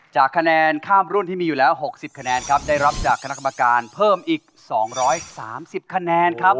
จากคะแนนข้ามรุ่นที่มีอยู่แล้ว๖๐คะแนนครับได้รับจากคณะกรรมการเพิ่มอีก๒๓๐คะแนนครับ